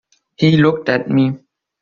He looked at me.